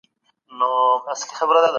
موږ باید د حق غږ په ګډه پورته کړو.